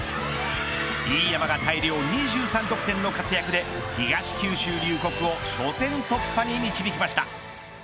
飯山が大量２３得点の活躍で東九州龍谷を初戦突破に導きました。